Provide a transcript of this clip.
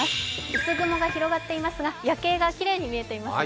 薄雲が広がっていますが夜景がきれいに見えていますね。